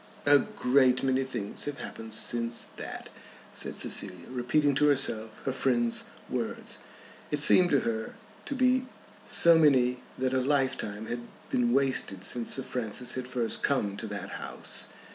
"A great many things have happened since that," said Cecilia, repeating to herself her friend's words. It seemed to her to be so many that a lifetime had been wasted since Sir Francis had first come to that house.